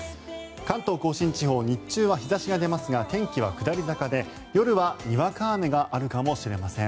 関東・甲信地方日中は日差しが出ますが天気は下り坂で、夜はにわか雨があるかもしれません。